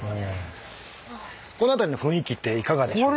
この辺りの雰囲気っていかがでしょうか？